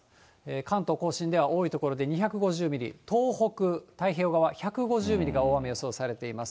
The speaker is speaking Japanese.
関東甲信では多い所で２５０ミリ、東北太平洋側、１５０ミリが大雨、予想されています。